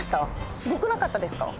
すごくなかったですか？